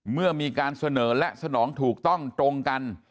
เมื่อมีการเสนอและสนองถูกต้องตรงกัน